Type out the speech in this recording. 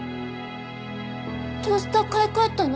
トースター買い替えたの？